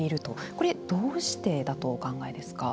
これ、どうしてだとお考えですか。